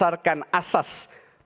persaingan dan kebebasan